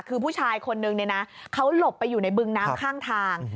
คือผู้ชายคนนึงเนี่ยนะเขาหลบไปอยู่ในบึงน้ำข้างทาง